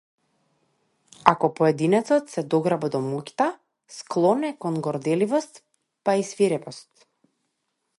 Ако поединецот се дограба до моќта, склон е кон горделивост па и свирепост.